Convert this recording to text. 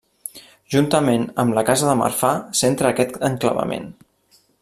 Juntament amb la casa de Marfà centra aquest enclavament.